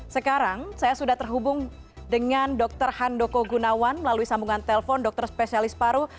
sekarang saya sudah terhubung dengan dr handoko gunawan melalui sambungan telpon dokter spesialis paru